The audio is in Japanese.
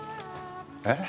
え？